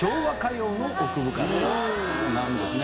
なんですね。